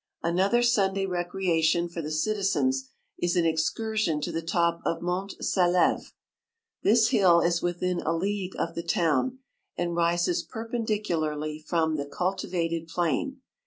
Another Sunday recreation for the citi zens is an excursion to the top of Mont Sal&ve. This hill is within a league of the town, and rises perpendicularly from the cultivated plain.